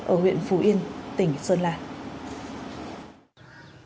ở huyện phù yên tỉnh sơn la